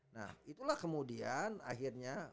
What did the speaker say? nah itulah kemudian akhirnya